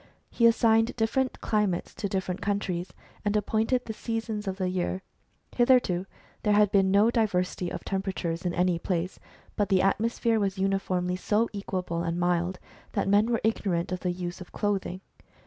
He assigned different climates to different countries, and appointed the seasons of the year. Hitherto there had been no diversity of temperature in any place, but the atmosphere was uni formly so equable and mild that men were ignorant of the use of clothing.